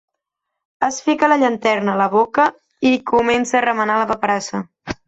Es fica la llanterna a la boca i comença a remenar la paperassa.